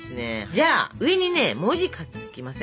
じゃあ上にね文字を書きません？